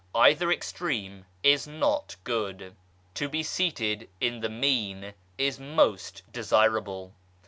Either extreme is not good. To be seated in the mean 1 is most desirable.